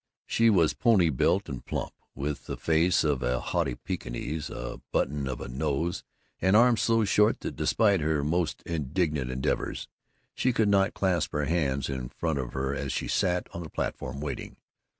She was pony built and plump, with the face of a haughty Pekingese, a button of a nose, and arms so short that, despite her most indignant endeavors, she could not clasp her hands in front of her as she sat on the platform waiting.